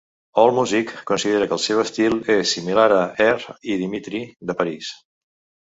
Allmusic considera que el seu estil és similar a Air i Dimitri, de París.